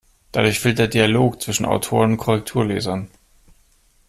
Dadurch fehlt der Dialog zwischen Autoren und Korrekturlesern.